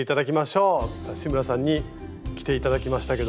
さあ志村さんに着て頂きましたけども。